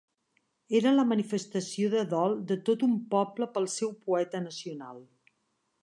Era la manifestació de dol de tot un poble pel seu poeta nacional.